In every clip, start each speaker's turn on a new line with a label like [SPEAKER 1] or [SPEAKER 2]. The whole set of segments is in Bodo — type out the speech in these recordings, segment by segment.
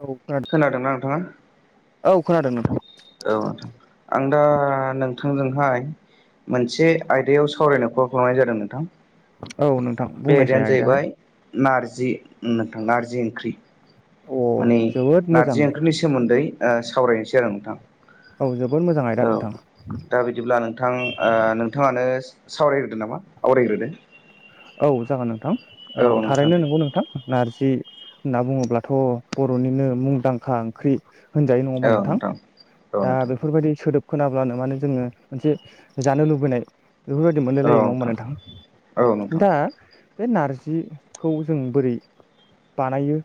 [SPEAKER 1] औ खोनादों
[SPEAKER 2] खोनादोंना नोंथांङा?
[SPEAKER 1] औ खोनादों नोंथां।
[SPEAKER 2] औ आं दा नोंथांजोंहाय मोनसे आयदायाव सावरायनो कल खालामनाय जादों नोंथां
[SPEAKER 1] औ नोंथां
[SPEAKER 2] बे
[SPEAKER 1] बुंनायसाय
[SPEAKER 2] आयदायानो
[SPEAKER 1] आयदाया
[SPEAKER 2] जाहैबाय नारें नारजि नोंथां नारजि ओंख्रि
[SPEAKER 1] अ
[SPEAKER 2] माने
[SPEAKER 1] जोबोद मोजां
[SPEAKER 2] नारजि ओंख्रिनि सोमोन्दै ओ सावरायनोसै आरो नोंथांङा
[SPEAKER 1] औ जोबोद मोजां आयदा नोंथां।
[SPEAKER 2] दा बिदिब्ला नोंथां ओ नोंथांङानो सावरायग्रोदो नामा आवरायग्रोदो।
[SPEAKER 1] औ जागोन नोंथां औ
[SPEAKER 2] नोंथां
[SPEAKER 1] थारैनो
[SPEAKER 2] दे
[SPEAKER 1] नंगौ नोंथां नारजि होनना बुंङोब्लाथ' बर'निनो मुंदांखा ओंख्रि होनजायो नंङा हबा नोंथां
[SPEAKER 2] औ
[SPEAKER 1] दा
[SPEAKER 2] नोंथां
[SPEAKER 1] बेफोरबायदि सोदोब खोनाब्लानो माने जोंङो मोनसे जानो लुबैनाय बेफोरबायदि मोनलाय
[SPEAKER 2] औ
[SPEAKER 1] लायो नंङा होमबा
[SPEAKER 2] नोंथां औ नोंथां
[SPEAKER 1] नोंथांङा बे नारजिखौ जों बोरै बानायो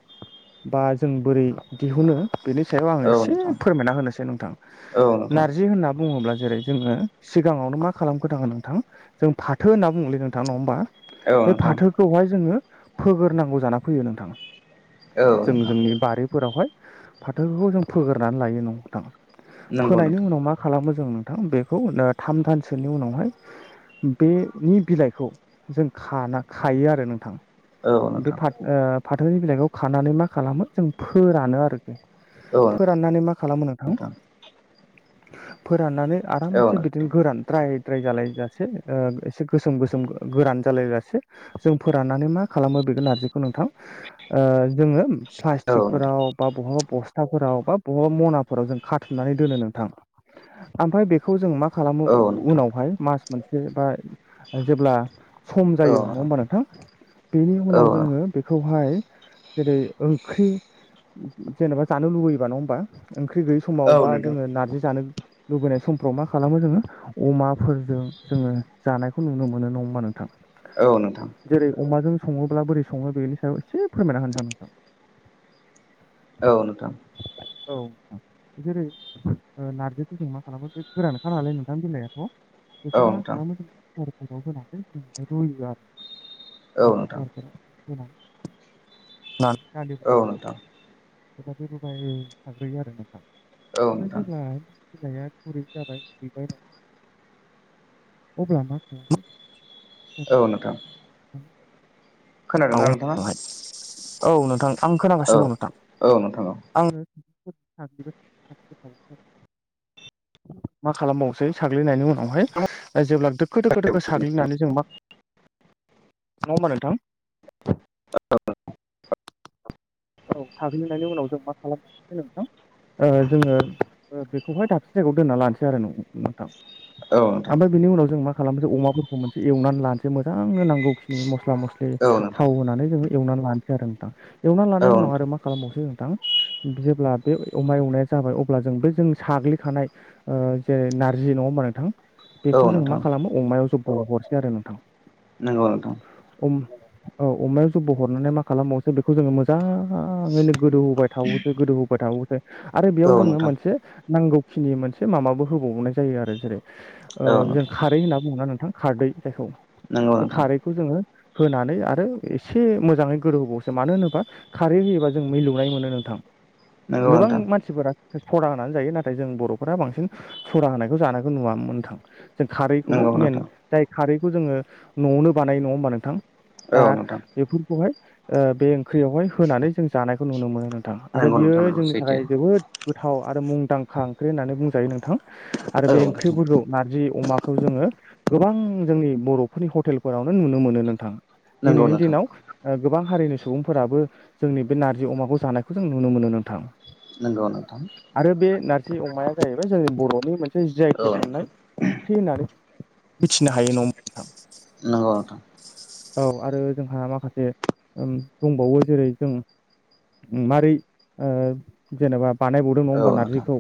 [SPEAKER 1] बा जों बोरै दिहुनो बेनि सायाव आंङो
[SPEAKER 2] औ नोंथां औ
[SPEAKER 1] एसे
[SPEAKER 2] नोंथां
[SPEAKER 1] फोरमायना होनोसै नोंथां नारजि होनना बुंङोब्ला जेरै जोंङो सिगांङावनो मा खालामग्रोनांगोन नोंथां जों फाथो होनना बुंङोलै नोंथां नंङा होमबा
[SPEAKER 2] औ
[SPEAKER 1] बे
[SPEAKER 2] नोंथां
[SPEAKER 1] फाथोखौहाय जोंङो फोगोरनांगौ जाना फैयो नोंथां
[SPEAKER 2] औ
[SPEAKER 1] जों
[SPEAKER 2] नोंथां
[SPEAKER 1] जोंनि बारिफोरावहाय फाथोफोरखौ जों फोगोरनानै लायो नोंथां
[SPEAKER 2] नंगौ
[SPEAKER 1] फोनायनि
[SPEAKER 2] नोंथां
[SPEAKER 1] उनाव मा खालामो जों नोंथां बेखौ दा थामदानसोनि उनावहाय बेनि बिलाइखौ जों खाना खायो आरो नोंथां
[SPEAKER 2] औ
[SPEAKER 1] बे
[SPEAKER 2] नोंथां
[SPEAKER 1] फाथो ओ फाथोनि बिलाइखौ खानानै मा खालामो जों फोरानो आरो
[SPEAKER 2] औ
[SPEAKER 1] फोराननानै मा खालामो नोंथां फोर फोराननानै
[SPEAKER 2] औ
[SPEAKER 1] आरामसे बिदिनो
[SPEAKER 2] नोंथां
[SPEAKER 1] गोरान द्राय द्राय जालायजासे ओ एसे गोसोम गोसोम गोरान जालायलासे जों फोराननानै मा खालामो बेखौ नारजिखौ नोंथां ओ जोंङो
[SPEAKER 2] औ नोंथां
[SPEAKER 1] प्लास्टिकफोराव बा बहाबा बस्थाफोराव बा बहाबा मनाफोराव जों खाथुमनानै दोनो नोंथां आमफ्राय बेखौ जों मा खालामो
[SPEAKER 2] औ नोंथां
[SPEAKER 1] उनावहाय मास मोनसे बा जेब्ला सम
[SPEAKER 2] औ
[SPEAKER 1] जायो नंङा होमबा नोंथां बेनि उनाव
[SPEAKER 2] औ
[SPEAKER 1] जोंङो बेखौहाय जेरै ओंख्रि जेनेबा जानो लुबैयोबा नंङा होमबा ओंख्रि गैयि समाव
[SPEAKER 2] औ
[SPEAKER 1] बा
[SPEAKER 2] नोंथां
[SPEAKER 1] जोङो नारजि जानो लुबैनाय समफ्राव मा खालामो जोङो अमाफोरजों जोङो जानायखौ नुनो मोनो नङा होमबा नों थां।
[SPEAKER 2] औ नोंथां
[SPEAKER 1] जेरै अमाजों सङोब्ला बोरै सङो बेनि सायाव एसे फोरमायना होनोसां नोंथां।
[SPEAKER 2] औ नोंथां।
[SPEAKER 1] औ जेरै नारजिखौ जों मा खालामो बे गोरानोखाालाय नोंथां बिलायाथ'
[SPEAKER 2] औ
[SPEAKER 1] बेखौ मा
[SPEAKER 2] नोंथां
[SPEAKER 1] खालामो होनानै जो रुयो आरो।
[SPEAKER 2] औ नोंथां
[SPEAKER 1] [unintelligible]
[SPEAKER 2] औ नोंथां।
[SPEAKER 1] बेबायदि रुबाय थाग्रोयो आरो नोंथां,
[SPEAKER 2] औ
[SPEAKER 1] ओमफ्राय
[SPEAKER 2] नोंथां
[SPEAKER 1] जेब्ला बिलाया बुरै जाबाय ओमफ्राय अब्ला मा खालामो
[SPEAKER 2] औ नोंथां। खोनादोंना नोंथाङा?
[SPEAKER 1] औ नोंथां आं
[SPEAKER 2] औ
[SPEAKER 1] खोनागासिनो दं नोंथां।
[SPEAKER 2] औ नोंथां
[SPEAKER 1] आं [unintelligible] मा खालामबावसै साग्लिनायनि उनावहाय जेब्ला दोखो दोखो दोखो साग्लिनानै जों मा ना होमबा नोंथां?
[SPEAKER 2] औ।
[SPEAKER 1] औ साग्लिनायनि उनाव जों मा खालामसै नोंथां ओ जोङो बेखौहाय ओ दाबसे जायगायाव दोनना लानोसै आरो नोंथां।
[SPEAKER 2] औ नोंथां औ नोंथां
[SPEAKER 1] ओमफ्राय बिनि उनाव जों मा खालामसै अमाफोरखौ मोनसे एवनानै लानोसै मोजांनो नांगौखिनि मस्ला मस्ला मस्लि थाव
[SPEAKER 2] औ
[SPEAKER 1] होनानै जोङो एवनानै लानोसै आरो नोंथां। एवनानै लानायनि उनाव
[SPEAKER 2] नोंथां
[SPEAKER 1] आरो मा खालामबावसो थां। जेब्ला बे अमा एवनाया जाबाय अब्ला जों बे जों साग्लिखानाय ओ जेरै नारजि नङा होमबा नोंथां? बेखौ
[SPEAKER 2] औ
[SPEAKER 1] जों मा
[SPEAKER 2] नोंथां
[SPEAKER 1] खालामो अमायाव जब्ब हरसै आरो नोंथां।
[SPEAKER 2] नोंगौ नोंथां।
[SPEAKER 1] अम औ अमायाव जब्ब' हरनानै मा खालामबावसो बेखौ जोङो मोज मोजाङैनो गोदौ होबाय थाबोसै गोदौ होबाय थाबोसै आरो बेयाव
[SPEAKER 2] औ
[SPEAKER 1] जोङो
[SPEAKER 2] नोंथां
[SPEAKER 1] मोनसे नांगौ खिनि मोनसे माबाबो होबावनाय जायो आरो जेरै
[SPEAKER 2] औ
[SPEAKER 1] जों
[SPEAKER 2] नोंथां
[SPEAKER 1] खारै होननानै ना नोंथां खारदै जायखौ
[SPEAKER 2] नंगौ
[SPEAKER 1] बे
[SPEAKER 2] नोंथां
[SPEAKER 1] खारैखौ जोङो होनानै आरो एसे मोजाङै गोरोहोबावोसो मानो होनोबा खारै होयोबा जों मिलौनाय मोनो नोंथां।
[SPEAKER 2] नंगौ
[SPEAKER 1] गोबां
[SPEAKER 2] नोंथां
[SPEAKER 1] मानसिफोरा स'दा होनानै जायो नाथाय जों बर'फोरा बांसिन सदा होनायखौ जानायखौ नुवा। नोंथां, जों खारैखौनो
[SPEAKER 2] नंगौ
[SPEAKER 1] मेन
[SPEAKER 2] नोंथां
[SPEAKER 1] जाय खारैखौ जोङो न'आवनो बानाय नङा होमबा नोंथां? दा
[SPEAKER 2] औ नोंथां
[SPEAKER 1] बेफोरखौहाय ओ बे ओंख्रियावहाय होनानै जों जानायखौ नुनो मोनो नोंथां। आरो
[SPEAKER 2] नंगौ
[SPEAKER 1] बियो
[SPEAKER 2] नोंथां नंगौ
[SPEAKER 1] जोंनि
[SPEAKER 2] सैथो
[SPEAKER 1] थाखाय जोबोद गोथाव थाव आरो मुंदांखा ओंख्रि होननानै बुंजायो नोंथां, आरो
[SPEAKER 2] औ
[SPEAKER 1] बे
[SPEAKER 2] नोंथां
[SPEAKER 1] ओंख्रिफोरखौ नारजि अमाखौ जोङो गोबां जोंनि बर'फोरनि हटेलफोरावनो नुनो मोनो नोंथां।
[SPEAKER 2] नंगौ
[SPEAKER 1] दिनैनि
[SPEAKER 2] नोंथां
[SPEAKER 1] दिनाव गोबां हारिनि सुबुं फोराबो जोंनि बे नारजि अमाखौ जानायखौ जों नुनो मोनो नोंथां।
[SPEAKER 2] नोंगौ नोंथां।
[SPEAKER 1] जि अमाया जाहैबाय जोंनि बर'नि मोनसे जि
[SPEAKER 2] औ
[SPEAKER 1] आइटेक
[SPEAKER 2] नोंथां
[SPEAKER 1] मोननाय ओंख्रि होननानै मिथिनो हायो नङा नोंथां?
[SPEAKER 2] नंगौ नोंथां।
[SPEAKER 1] औ आरो जोंहा माखासे दंबावो जेरै जों मारै जेनेबा बानायबावदों नङा
[SPEAKER 2] औ
[SPEAKER 1] होमबा
[SPEAKER 2] नोंथां
[SPEAKER 1] नारजिखौ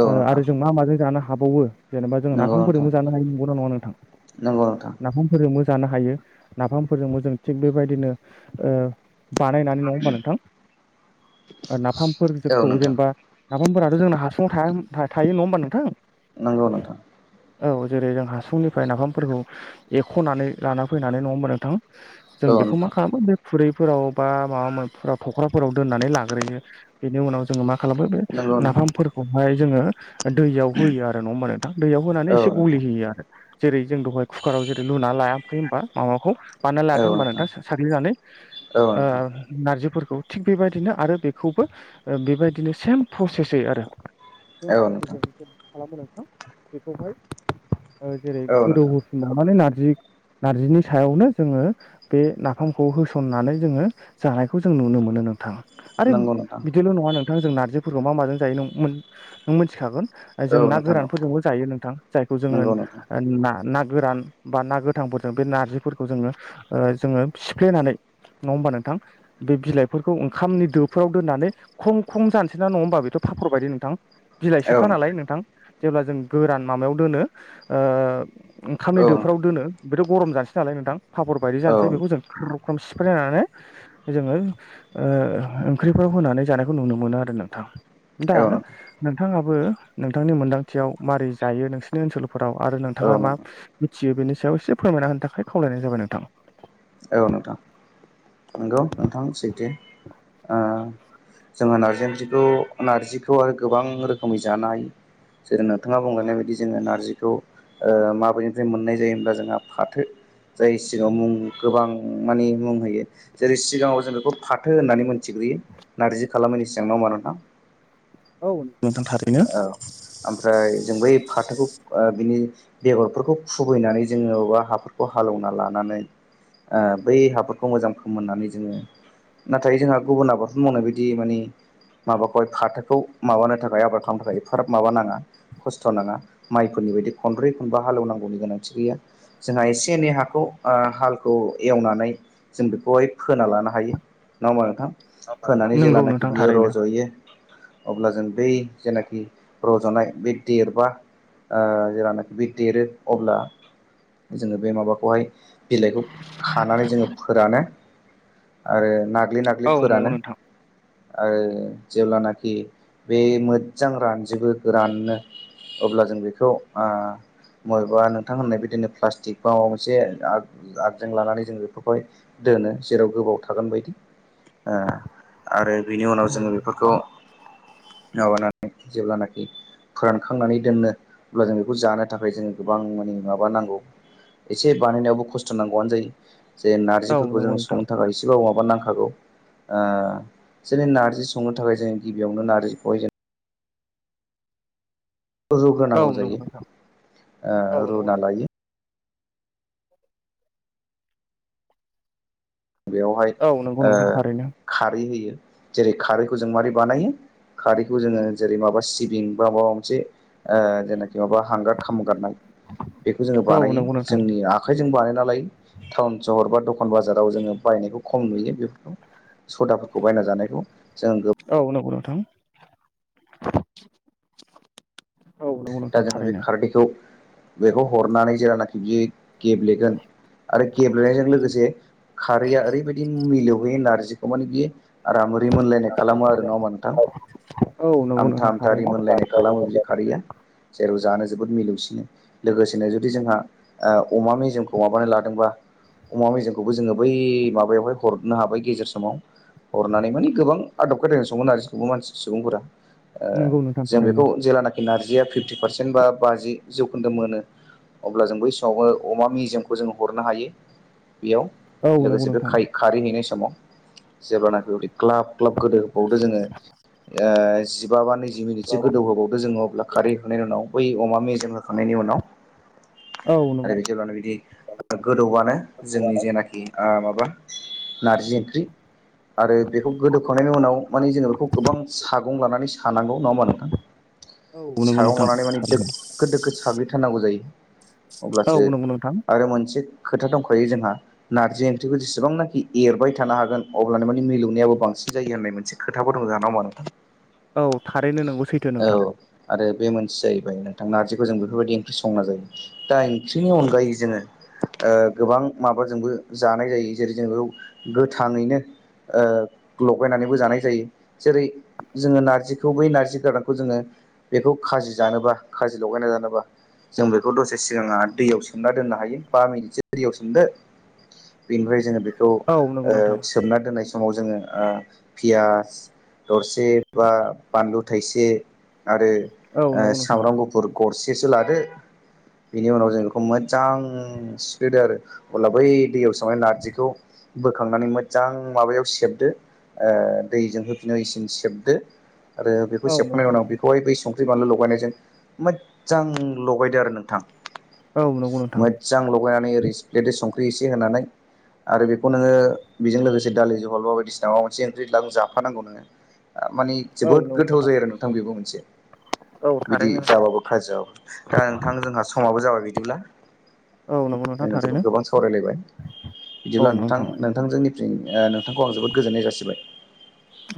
[SPEAKER 2] औ
[SPEAKER 1] ओ
[SPEAKER 2] नोंथां
[SPEAKER 1] आरो जों मा माजों जानो हाबावो जेनेबा जों
[SPEAKER 2] नंगौ नोंथां
[SPEAKER 1] नाफामफोरजोंबो जानो हायो नंगौना नङा नोंथां?
[SPEAKER 2] नंगौ नोंथां
[SPEAKER 1] नाफामफोरजोंबो जानो हायो, नाफामफोरजोंबो जों थिग बेबायदिनो ओ बानायनानै नङा होमबा नोंथां?
[SPEAKER 2] औ
[SPEAKER 1] नाफामफोरफोरखौ
[SPEAKER 2] नोंथां
[SPEAKER 1] जेनेबा नाफामफोराथ' जोंना हासुङाव थाया था थायो नङा होनोबा नोंथां
[SPEAKER 2] नांगौ नोंथां
[SPEAKER 1] औ जेरै जों हासुंनिफ्राय नाफामफोरखौ एख'नानै लाना फैनानै नङा होनबा नोंथां जों
[SPEAKER 2] औ
[SPEAKER 1] बेखौ मा
[SPEAKER 2] नोंथां
[SPEAKER 1] खालामो बे खुरै फोराव बा माबा माबिफोराव थख्राफोराव दोननानै लाग्रोयो बेनि उनाव जोङो मा खालामो बे
[SPEAKER 2] नंगौ
[SPEAKER 1] ना
[SPEAKER 2] नोंथां
[SPEAKER 1] फामफोरखौहाय जोङो दैयाव होयो आरो नङा होमबा नोंथां दैयाव होनानै
[SPEAKER 2] औ
[SPEAKER 1] एसे गलि
[SPEAKER 2] नोंथां
[SPEAKER 1] होयो आरो जेरै जै जों दहाय कुकाराव जेरै लुनानै लायाखै होमबा माबाखौ बानायनानै
[SPEAKER 2] औ
[SPEAKER 1] लायाखै होनबा
[SPEAKER 2] नोंथां
[SPEAKER 1] नोंथा साग्लिनानै
[SPEAKER 2] औ
[SPEAKER 1] ओ
[SPEAKER 2] नोंथां
[SPEAKER 1] नारजिफोरखौ थिग बेबायदिनो आरो बेखौबो बेबायदिनो सेम प्रसेसै
[SPEAKER 2] औ नोंथां
[SPEAKER 1] खालामो नोंथां बेखौहाय जेरै
[SPEAKER 2] औ
[SPEAKER 1] गोदौ
[SPEAKER 2] नोंथां
[SPEAKER 1] होफिन मानानै नारजि नारजिनि सायावनो जोङो बे नाफामखौ होसननानै जोङो जानायखौ जों नुनो मोनो नोंथां आरो
[SPEAKER 2] नंगौ नोंथां
[SPEAKER 1] बिदिनो न नोंथां जों नारजिफोरखौ मा माजों जायो नों मोनथिखागोन जों
[SPEAKER 2] औ
[SPEAKER 1] ना
[SPEAKER 2] नोंथां औ
[SPEAKER 1] गोरानफोरजोंबो जायो नोंथां जायखौ जोङो
[SPEAKER 2] नंगौ नोंथां
[SPEAKER 1] ना ना गोरान बा ना गोथांफोरजों बे नारजिफोरखौ जोङो जोङो सिफ्लेनानै नङा होमबा नोंथां बे बिलाइफोरखौ ओंखामनि दोफोराव दोननानै ख्रम ख्रम जानोसै ना नङा होमबा बेथ' फाफर बायदि नोंथां बिलाइ सोखा नालाय नोंथां जेब्ला जों गोरान माबायाव दोनो ओ ओंखामनि
[SPEAKER 2] औ
[SPEAKER 1] दोफोराव
[SPEAKER 2] नोंथां
[SPEAKER 1] फ्राव दोनो बेथ' गरम जानोसै नालाय नोंथां फापर बायदि जानोसै
[SPEAKER 2] औ
[SPEAKER 1] बेखौ जों ख्रम ख्रम सिफ्रायनानै जोङो ओ ओंख्रिफोराव होनानै जानायखौ नुनो मोनो आरो नोंथां दा
[SPEAKER 2] औ नोंथां
[SPEAKER 1] नोंथाङाबो नोंथांनि मोन्दांथियाव मारै जायो नोंसोरनि ओनसोलफोराव आरो नोंथां नोंथाङा मा मिथियो बेनि सायाव एसे फोरमायना होनो थाखाय खावलायनाय जाबाय नोंथां
[SPEAKER 2] औ नोंथां नंगौ नोंथां सैथो ओ जोङो नार्जि ओंख्रिखौ नार्जिखौ आरो गोबां रोखोमै जानो हायो जेरै नोंथाङा बुंलांनाय बायदि जोङो नारजिखौ ओ माबेनिफ्राय मोननाय जायो होमब्ला जोंहा फाथो जाय सिगाङाव मुं गोबां मानि मुं होयो जेरै सिगाङाव जों बेखौ फाथो होननानै मिथिगौ नारजि खालामनायनि सिगां नङा होमबा नोंथां
[SPEAKER 1] औ नोंथां थारैनो
[SPEAKER 2] औ ओमफ्राय जों बै फाथोखौ बिनि बेगरफोरखौ खुबैनानै जोङो बबेबा हाफोरखौ हालौवना लानानै ओ बै हाफोरखौ मोजां फोमोननानै जोङो नाथाय जोंहा गुबुन आबादफोर मावनाय बायदि माने माबाखौहाय फाथोखौ माबानो थाखाय आबाद खालामनो थाखाय फाराब माबाना ना खस्थ नङा फोरनि बायदि खनब्रै खनबा हालवनांगौनि गोनांथि गैया जोंहा एसे एनै बे हाखौ ओ हालखौ एवनानै जों बेखौहाय फोना लानो हायो नङा होमबा नोंथां फोनानै
[SPEAKER 1] नंगौ
[SPEAKER 2] जेब्लानाखि
[SPEAKER 1] नोंथां
[SPEAKER 2] बियो
[SPEAKER 1] थारैनो
[SPEAKER 2] रज'यो अब्ला जों बै जेनाखि रज'नाय बे देरबा ओ जेलानाखि ओ बे देरो अब्ला जोङो बे माबाखौहाय बिलाइखौ खानानै जोङो फोरानो आरो ना नाग्लि नाग्लि
[SPEAKER 1] औ
[SPEAKER 2] फोरानो
[SPEAKER 1] नंगौ नोंथां
[SPEAKER 2] आरो जेब्लानाखि बे मोजां रा जेबो गोराननो अब्ला जों बेखौ ओ बबेबा नोंथां होननाय बिदिनो प्लास्टिक बा माबा मोनसे आग आगजें लानानै जों बेफोरखौ हाय जेराव गोबाव थागोन बादि ओ आरो बिनि उनाव जोङो बेफोरखौ माबानानै जेब्लानाखि फोरानखांनानै दोननो अब्ला जों बेखौ जानो थाखाय जों गोबां माने माबा नांगौ एसे बानायनायावबो खस्थ' नांगौआनो जायो जे
[SPEAKER 1] औ
[SPEAKER 2] नारजिफोरखौ जों
[SPEAKER 1] नंगौ नोंथां
[SPEAKER 2] संनो थाखाय एसेबाब माबा नांगौ हागौ ओ जोंनि नार्जि संनो थाखाय जों गिबियावनो नार्जिखौहाय जों
[SPEAKER 1] औ
[SPEAKER 2] रुग्रोनांगौ
[SPEAKER 1] नंगौ
[SPEAKER 2] जायो
[SPEAKER 1] नोंथां औ
[SPEAKER 2] ओ
[SPEAKER 1] नंगौ
[SPEAKER 2] रुना लायो बेवहाय
[SPEAKER 1] औ नंगौ
[SPEAKER 2] ओ
[SPEAKER 1] नोंथां थारैनो
[SPEAKER 2] खारै होयो जेरै खारैखौ जों मारै बानायो खारैखौ जोङो जेरै माबा सिबिं बा माबा मोनसे ओ जेने जेनाबा हांगार खामगारनाय बेखौ जोङो
[SPEAKER 1] औ
[SPEAKER 2] बानायो
[SPEAKER 1] नंगौ नोंथां
[SPEAKER 2] जोंनि आखाइजों बानाय नालाय टाउन सहर बा दखान बाजाराव जोङो बायनायखौ खम नुयो बेफोरखौ सदाफोरखौ बायना जानायखौ। जों
[SPEAKER 1] औ नंगौ नोंथां। औ नंगौ
[SPEAKER 2] दा
[SPEAKER 1] नोंथां
[SPEAKER 2] जोङो बे
[SPEAKER 1] थारैनो
[SPEAKER 2] खारदैखौ बेखौ हरनानै जेलानाखि बि गेब्लेगोन आरो गेब्लेनायजों लोगोसे खारैया ओरैबायदि मिलौहैयो नारजिखौ मान बे आरामै मोनलायनाय खालामो आरो ना नोंथां?
[SPEAKER 1] औ नंगौ
[SPEAKER 2] आमथा
[SPEAKER 1] नोंथां
[SPEAKER 2] आमथा
[SPEAKER 1] थारैनो
[SPEAKER 2] रिमोनलायनाय खालामो बिदि खारैया। जेराव जानो जोबोद मिलौसिनो लोगोसेनो जुदि ओ जोंहा अमा मेजेमखौ माबानो लादोंबा अमा मेजेखौबो जोङो बै माबायावहाय हरनो हाबाय गेजेर समाव। हरनानै माने गोबां आदब खायदायनो संङो मोन आरो गासिबो मानसि सुबुंफोरा। ओ
[SPEAKER 1] नंगौ नोंथां
[SPEAKER 2] जों
[SPEAKER 1] थारैनो
[SPEAKER 2] बेखौ जेलानाखि नार्जिया फिफ्टि पारसेन्ट बा बाजि जौखोन्दो मोनो अब्ला जों बै समावबो अमा मेजेमखौ जों हरनो हायो। बेयाव
[SPEAKER 1] औ नंगौ
[SPEAKER 2] लोगोसे बे
[SPEAKER 1] नोंथां
[SPEAKER 2] खारै खारै हैनाय समाव जेब्लानाखि उदै ग्लाब ग्लाब गोदौ होबावदो जोङो ओ जिबा बा नैजि मिनिटसो गोदौहोबावदो जोङो अब्ला बेनि उनाव बै अमा मेजेम होखांनायनि उनाव
[SPEAKER 1] औ नंगौ
[SPEAKER 2] आरो बिदिब्लानो बिदि गोदौआनो जोंनि जेनाखि माबा नारजि ओंख्रि आरो बेखौ गोदोखांनायनि उनाव माने जोङो बेखौ गोबां सागं लानानै सानांगौ नङा होमबा नोंथां?
[SPEAKER 1] [inaudible]
[SPEAKER 2] सागं
[SPEAKER 1] नोंथां
[SPEAKER 2] लानानै माने
[SPEAKER 1] थारैनो
[SPEAKER 2] दोखो दोखो साग्लिथारनांगौ जायो।
[SPEAKER 1] औ
[SPEAKER 2] अब्लासो
[SPEAKER 1] नंगौ नोंथां
[SPEAKER 2] आरो मोनसे खोथा दंखायो जोंहा नारजि ओंख्रिखौ जेसेबांनाखि एरबाय थानो हागोन अब्लानो माने मिलौनायाबो बांसिन सिन जायो होननाय मोन खोथाबो दं जोंहा नङा होमबा नोंथां?
[SPEAKER 1] औ थारैनो नोंगौ सैथो नोंथां।
[SPEAKER 2] औ आरो बे मोनसे जाहैबाय नोंथां नारजिखौ जों बेफोरबायदि ओंख्रि संना जायो। दा ओंख्रिनि अनगायै जोङो ओ गोबां माबाजोंबो जानाय जायो जेरै जों बेयाव गोथाङैनो ओ लगायनानैबो जानाय जायो जेरै जोङो नार्जिखौ बै नार्जि गोरानखौ जोङो बेखौ खाजि जानोबा खाजि लगायना जानोबा जों बेखौ दसे सिगाङा दैयाव सोमना दोननो हायो बा मिनिटसो दैयाव सोमदो बेनिफ्राय जोङो बेखौ
[SPEAKER 1] औ नंगौ
[SPEAKER 2] ओ
[SPEAKER 1] नोंथां
[SPEAKER 2] सोमना दोननाय समाव जोङो पियास दरसे बा बानलु थाइसे आरो
[SPEAKER 1] औ
[SPEAKER 2] ओ
[SPEAKER 1] नंगौ नोंथां
[SPEAKER 2] सामब्राम गुफुर गरसेसो लादो बिनि उनाव जों बेखौ मोजां सिफ्लेदो आरो अब्ला बै दैयाव सोमानाय नारजिखौ बोखांनानै मोजां माबायाव सेबदो ओ दैजों होफिनो इसिन सेबदो आरो बेखौ
[SPEAKER 1] औ नंगौ
[SPEAKER 2] सेबखांनायनि उनाव
[SPEAKER 1] नोंथां
[SPEAKER 2] बेखौहाय बै संख्रि बानलु लगायनायजों मोजां लगायदो आरो नोंथां।
[SPEAKER 1] औ नंगौ नोंथां
[SPEAKER 2] मोजां लगायनानै ओरै सिफ्लेदो संख्रि एसे होनानै आरो बेखौ नोङो बेजों लोगोसे दालि जहल बा बायदिसिना माबा मोनसे ओंख्रि जाफानांगौ नोङो। ओ माने
[SPEAKER 1] औ
[SPEAKER 2] जोबोद
[SPEAKER 1] नंगौ
[SPEAKER 2] गोथाव जायो आरो नोंथां बेबो मोनसे।
[SPEAKER 1] औ
[SPEAKER 2] बिदि
[SPEAKER 1] थारैनो
[SPEAKER 2] जाबाबो खाजि जाबाबो। दा नोंथां जोंहा समाबो जाबाय गैदिब्ला
[SPEAKER 1] औ नंगौ नोंथां
[SPEAKER 2] जों जोबोद
[SPEAKER 1] थारैनो
[SPEAKER 2] गोबां सावरायलायबाय बिदिब्ला नोंथां नोंथां जोंनि ओ नोंथांखौ आं जोबोद गोजोननाय जासिबाय।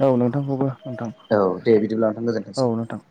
[SPEAKER 1] औ नोंथांखौबो नोंथां
[SPEAKER 2] औ दे बिदिब्ला नोथां गोजोनथोंसै।
[SPEAKER 1] औ नोंथां।